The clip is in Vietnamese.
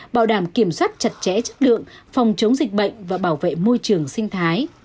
bảo đảm kiểm soát chặt chẽ chất lượng phòng chống dịch bệnh và bảo vệ môi trường sinh thái